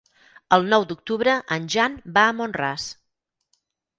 El nou d'octubre en Jan va a Mont-ras.